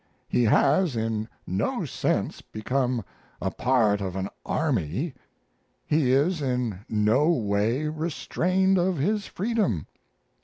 He has in no sense become a part of an army; he is in no way restrained of his freedom.